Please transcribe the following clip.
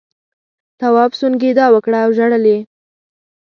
تواب سونگېدا وکړه او ژړل یې.